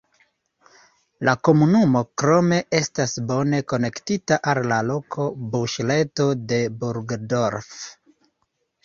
La komunumo krome estas bone konektita al la loka busreto de Burgdorf.